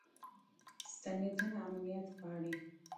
ستنېدنه امنیت غواړي.